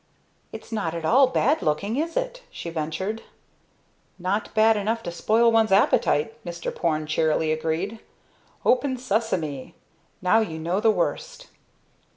"It's not at all bad looking, is it?" she ventured. "Not bad enough to spoil one's appetite," Mr. Porne cheerily agreed. "Open, Sesame! Now you know the worst."